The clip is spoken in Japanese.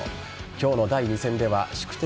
今日の第２戦では宿敵